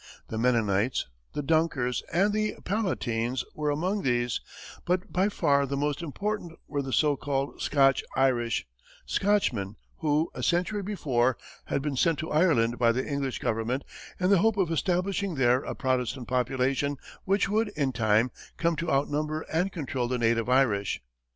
The Mennonites, the Dunkers, and the Palatines were among these, but by far the most important were the so called Scotch Irish Scotchmen who, a century before, had been sent to Ireland by the English government, in the hope of establishing there a Protestant population which would, in time, come to outnumber and control the native Irish.